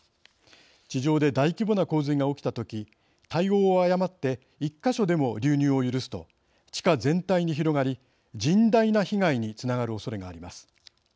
地上で大規模な洪水が起きた時対応を誤って１か所でも流入を許すと地下全体に広がり甚大な被害につながるおそれがあります。